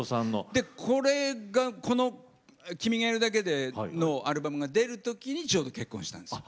でこの「君がいるだけで」のアルバムが出る時にちょうど結婚したんです。